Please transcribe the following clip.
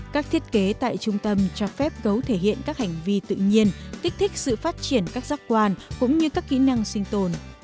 các thiết kế tại trung tâm cho phép gấu thể hiện các hành vi tự nhiên kích thích sự phát triển các giác quan cũng như các kỹ năng sinh tồn